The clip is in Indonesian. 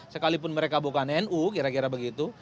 sekalipun mereka bukan nu kira kira begitu